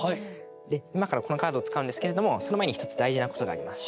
で今からこのカードを使うんですけれどもその前に１つ大事なことがあります。